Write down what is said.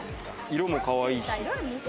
色もかわいいし。